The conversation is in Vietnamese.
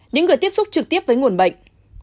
những người tiếp xúc trực tiếp với nguồn bệnh